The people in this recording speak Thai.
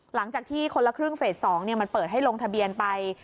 หลังจากที่คนละครึ่งเฟส๒มันเปิดให้ลงทะเบียนไป